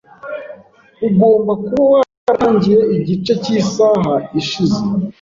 Ugomba kuba waratangiye igice cyisaha ishize .